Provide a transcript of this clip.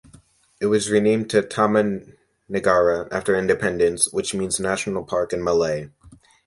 It was renamed to Taman Negara after independence, which means "national park" in Malay.